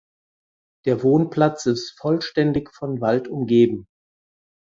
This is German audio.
Der Wohnplatz ist vollständig von Wald umgeben.